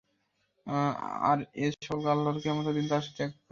আর এ সকলকে আল্লাহ কিয়ামতের দিন তার সাথে একত্র করবেন।